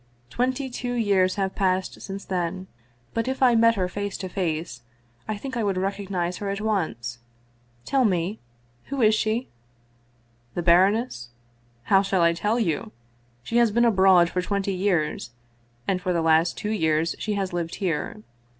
" Twenty two years have passed since then. But if I met her face to face I think I would recognize her at once. Tell me, who is she?" "The baroness? How shall I tell you? She has been abroad for twenty years, and for the last two years she has lived here.